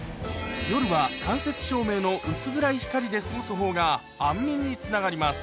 夜は間接照明の薄暗い光で過ごす方が安眠につながります